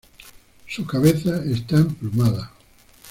Su cabeza está emplumada.